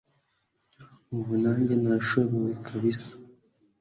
ubu nanjye nashobewe kabsa